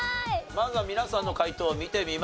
まずは皆さんの解答を見てみましょう。